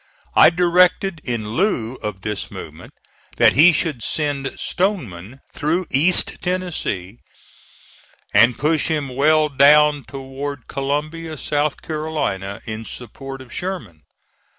I directed in lieu of this movement, that he should send Stoneman through East Tennessee, and push him well down toward Columbia, South Carolina, in support of Sherman.